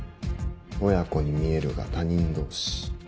親子に見えるが他人同士。